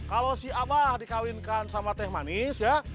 kalau si abah dikawinkan sama teh manis ya